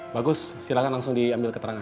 bagus silahkan langsung diambil keterangan